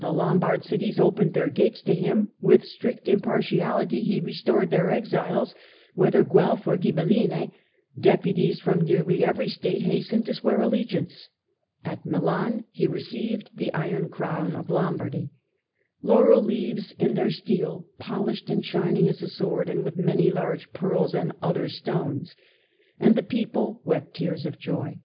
The Lombard cities opened their gates to him, with strict impartiaHty he restored their exiles, whether Guelf or Ghibelline ; deputies from nearly every State hastened to swear allegiance. At Milan he received the iron crown of Lombardy ; "laurel leaves in their steel, polished and shining as a sword, and with many large pearls and other stones," and the people wept tears of joy.